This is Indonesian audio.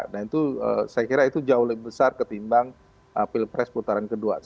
dan itu saya kira itu jauh lebih besar ketimbang pilpres putaran kedua